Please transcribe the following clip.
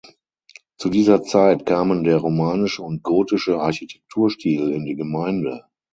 Zu dieser Zeit kamen der romanische und gotische Architekturstil in die Gemeinde.